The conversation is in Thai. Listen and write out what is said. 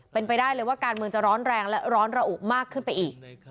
เป็นไปได้เลยว่าการเมืองจะร้อนแรงและร้อนระอุมากขึ้นไปอีก